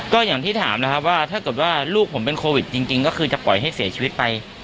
ก็อย่างที่ถามนะครับว่าถ้าเกิดว่าลูกผมเป็นโควิดจริงก็คือจะปล่อยให้เสียชีวิตไป